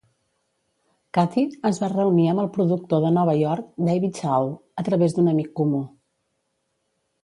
Kathy es va reunir amb el productor de Nova York, David Shaw, a través d'un amic comú.